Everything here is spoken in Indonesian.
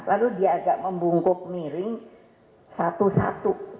lalu dia agak membungkuk miring satu satu